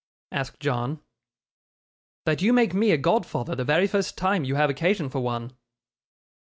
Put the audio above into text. asked John. 'That you make me a godfather the very first time you have occasion for one.